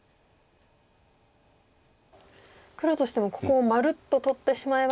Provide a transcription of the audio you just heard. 黒としてもここをまるっと取ってしまえば。